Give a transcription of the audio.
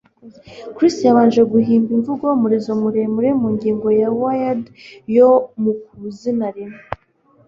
Chris yabanje guhimba imvugo "umurizo muremure" mu ngingo ya Wired yo mu ku izina rimwe.